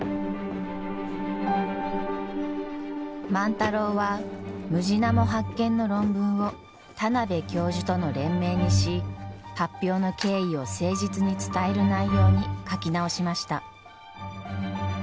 万太郎はムジナモ発見の論文を田邊教授との連名にし発表の経緯を誠実に伝える内容に書き直しました。